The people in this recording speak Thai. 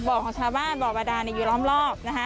บ่อของชาวบ้านบ่อบาดาอยู่รอบ